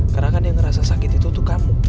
karena kan yang ngerasa sakit itu tuh kamu